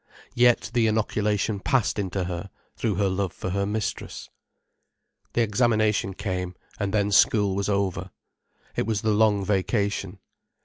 Yet the inoculation passed into her, through her love for her mistress. The examination came, and then school was over. It was the long vacation.